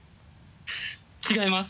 違います！